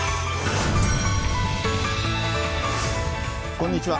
こんにちは。